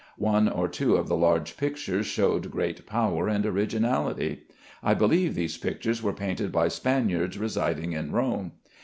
One or two of the large pictures showed great power and originality. I believe these pictures were painted by Spaniards residing in Rome.